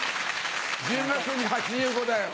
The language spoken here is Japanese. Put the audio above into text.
１０月に８５だよ。